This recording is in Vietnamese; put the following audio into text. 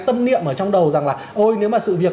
tâm niệm ở trong đầu rằng là ồi nếu mà sự việc